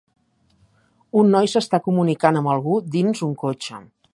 Un noi s'està comunicant amb algú dins un cotxe.